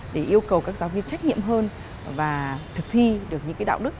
để yêu cầu các giáo viên trách nhiệm hơn và thực thi được những đạo đức